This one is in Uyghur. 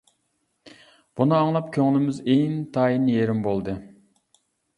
بۇنى ئاڭلاپ كۆڭلىمىز ئىنتايىن يېرىم بولدى.